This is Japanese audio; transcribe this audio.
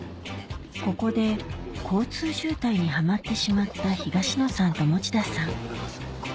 ここで交通渋滞にハマってしまった東野さんと持田さん